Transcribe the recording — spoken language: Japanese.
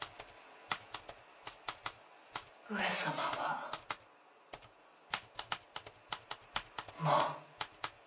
上様はもう。